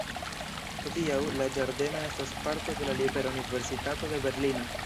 Hodiaŭ, la ĝardeno estas parto de la Libera Universitato de Berlino.